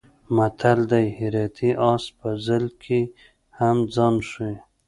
متل دی: هراتی اس په ځل کې هم ځان ښي.